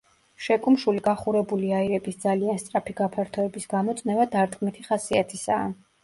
შეკუმშული გახურებული აირების ძალიან სწრაფი გაფართოების გამო წნევა დარტყმითი ხასიათისაა.